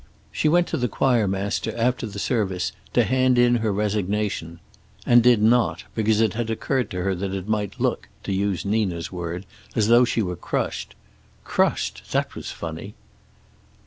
She went to the choir master after the service to hand in her resignation. And did not, because it had occurred to her that it might look, to use Nina's word, as though she were crushed. Crushed! That was funny.